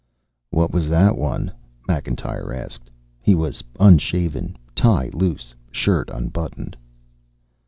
"What was that one?" Macintyre asked. He was unshaven, tie loose, shirt unbuttoned.